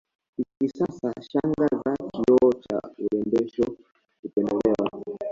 Hivi sasa shanga za kioo cha urembesho hupendelewa